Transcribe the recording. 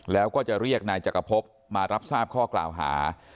แล้วก็จะเรียกนายจักรพบมารับทราบข้อกล่าวหา